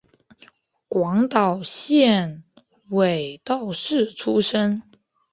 广岛县尾道市出身。